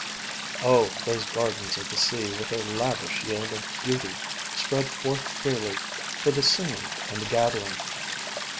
Oh, those Gardens of the Sea with their lavish yield of beauty, spread forth freely for the seeing and the gathering!